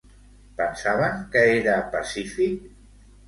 Pensaven que era pacífic?